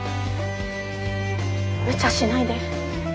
むちゃしないで。